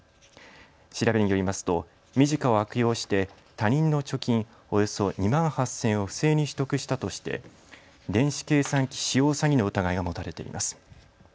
調べによりますとｍｉｊｉｃａを悪用して他人の貯金およそ２万８０００円を不正に取得したとして電子計算機使用詐欺の疑いが持たれています。